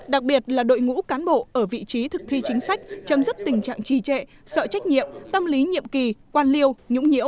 đặc biệt là đội ngũ cán bộ ở vị trí thực thi chính sách chấm dứt tình trạng trì trệ sợ trách nhiệm tâm lý nhiệm kỳ quan liêu nhũng nhiễu